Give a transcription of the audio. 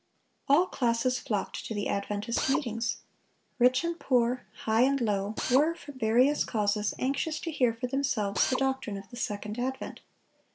All classes flocked to the Adventist meetings. Rich and poor, high and low, were, from various causes, anxious to hear for themselves the doctrine of the second advent.